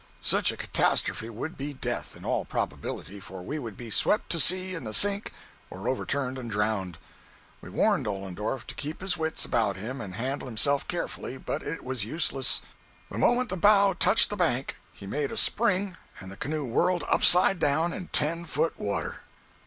Such a catastrophe would be death, in all probability, for we would be swept to sea in the "Sink" or overturned and drowned. We warned Ollendorff to keep his wits about him and handle himself carefully, but it was useless; the moment the bow touched the bank, he made a spring and the canoe whirled upside down in ten foot water.